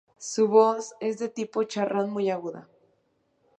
Su voz es de tipo charrán, muy aguda.